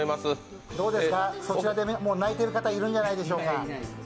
どうですか、そちらで泣いてる方、いるんじゃないでしょうか。